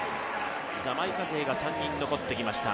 ジャマイカ勢が３人残ってきました。